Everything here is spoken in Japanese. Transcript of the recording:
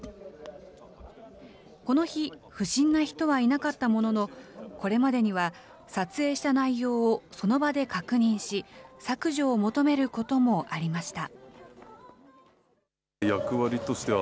この日、不審な人はいなかったものの、これまでには撮影した内容をその場で確認し、削除を求めることもありました。